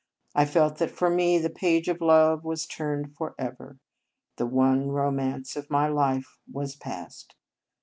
I felt that for me the page of love was turned forever, the one romance of my life was past.